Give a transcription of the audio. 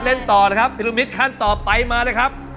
เล่นต่อนะครับพิรมิตขั้นต่อไปมานะครับ